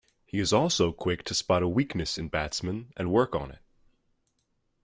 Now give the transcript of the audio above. He is also quick to spot a weakness in batsmen and work on it.